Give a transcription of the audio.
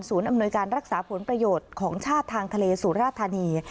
อำนวยการรักษาผลประโยชน์ของชาติทางทะเลสุราธานี